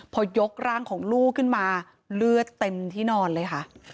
พอยกร่างของลูกขึ้นมาเลือดเต็มที่นอนเลยค่ะ